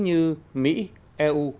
như mỹ eu